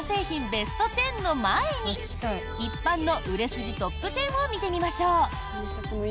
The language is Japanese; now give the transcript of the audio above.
ベスト１０の前に一般の売れ筋トップ１０を見てみましょう。